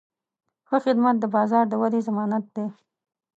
ښه خدمت د بازار د ودې ضمانت دی.